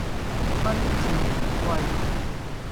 賓至如歸